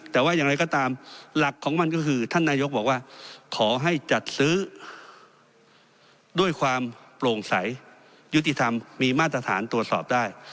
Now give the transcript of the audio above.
แต่ว่าอย่างไรก็ตามหลักของมันก็คือท่านนายกบอกว่าขอให้จัดซื้อด้วยความโปร่งใสยุติธรรมมีมาตรฐานตรวจสอบได้